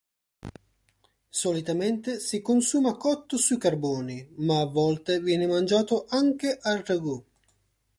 Solitamente, si consuma cotto sui carboni, ma a volte viene mangiato anche al ragù.